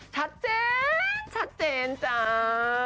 ชัดเจนชัดเจนจ้า